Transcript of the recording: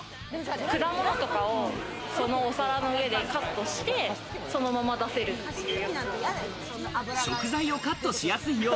果物とかをそのお皿の上でカットして、そのまま出せるっていう。